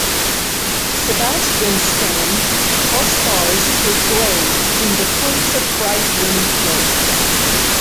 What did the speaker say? Sebastian Stan co-stars with Grace in the Pulitzer Prize winning play.